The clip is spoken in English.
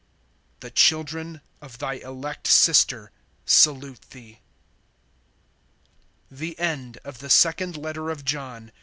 (13)The children of thy elect sister salute thee. THE THIRD LETTER OF JOHN.